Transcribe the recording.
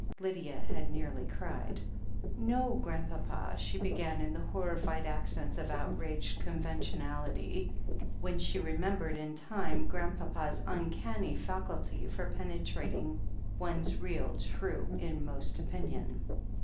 Lydia had nearly cried. "No, Grandpapa," she began in the horrified accents of outraged conventionality, when she remembered in time Grandpapa's uncanny faculty for penetrating to one's real true, inmost opinion.